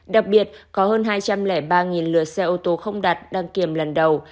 đặc biệt có hơn hai trăm linh ba lượt xe ô tô không đặt đăng kiểm lần đầu